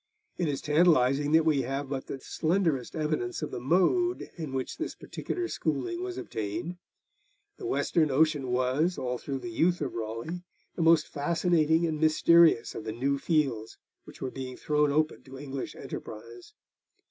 It is tantalising that we have but the slenderest evidence of the mode in which this particular schooling was obtained. The western ocean was, all through the youth of Raleigh, the most fascinating and mysterious of the new fields which were being thrown open to English enterprise.